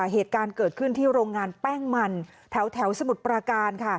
เหตุการณ์เกิดขึ้นที่โรงงานแป้งมันแถวสมุทรปราการ